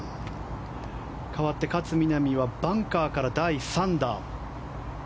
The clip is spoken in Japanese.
かわって勝みなみはバンカーから第３打。